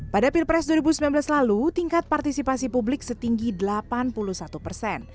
pada pilpres dua ribu sembilan belas lalu tingkat partisipasi publik setinggi delapan puluh satu persen